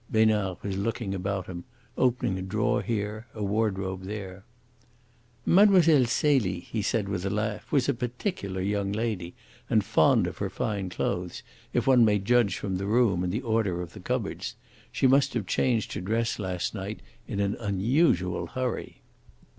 Besnard was looking about him, opening a drawer here, a wardrobe there. "Mlle. Celie," he said, with a laugh, "was a particular young lady, and fond of her fine clothes, if one may judge from the room and the order of the cupboards. She must have changed her dress last night in an unusual hurry."